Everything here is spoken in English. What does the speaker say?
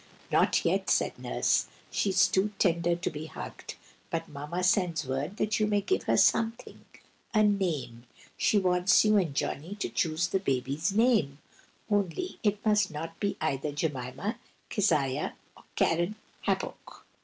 "Not yet," said Nurse. "She is too tender to be hugged. But Mamma sends word that you may give her something,—a name. She wants you and Johnny to choose the baby's name, only it must not be either Jemima, Keziah or Keren Happuch."